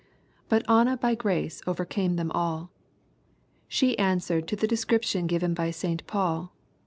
But Anna by grace overcame them alL She answered to the description given by St. Paul.